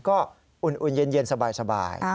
ก็อุ่นเย็นสบาย